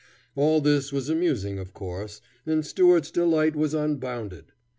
All this was amusing, of course, and Stuart's delight was unbounded.